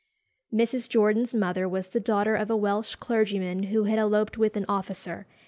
Mrs. Jordan's mother was the daughter of a Welsh clergyman who had eloped with an officer.